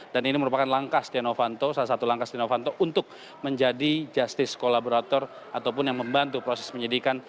dan ini merupakan langkah setia novanto salah satu langkah setia novanto untuk menjadi justice collaborator ataupun yang membantu proses penyelidikan